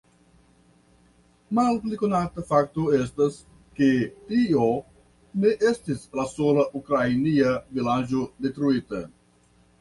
Malpli konata fakto estas, ke tio ne estis la sola ukrainia vilaĝo detruita.